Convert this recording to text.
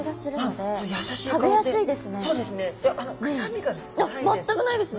あっ全くないですね。